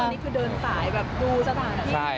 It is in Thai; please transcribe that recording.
อันนี้คือเดินสายดูสถานที่